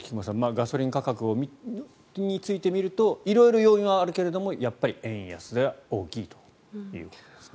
ガソリン価格について見てみると色々要因はあるけどやっぱり円安は大きいということですね。